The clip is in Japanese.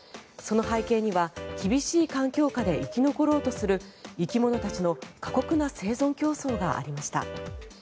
その背景には厳しい環境下で生き残ろうとする生き物たちの過酷な生存競争がありました。